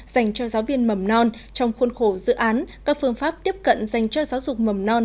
dành cho giáo viên mầm non trong khuôn khổ dự án các phương pháp tiếp cận dành cho giáo dục mầm non